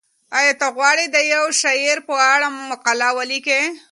ایا ته غواړې د یو شاعر په اړه مقاله ولیکې؟